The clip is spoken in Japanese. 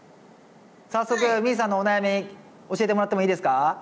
早速みぃさんのお悩み教えてもらってもいいですか？